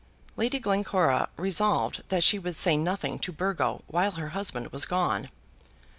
Lady Glencora resolved that she would say nothing to Burgo while her husband was gone.